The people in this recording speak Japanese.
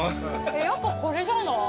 やっぱこれじゃない？